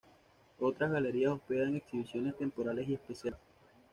Otras galerías hospedan exhibiciones temporales y especiales.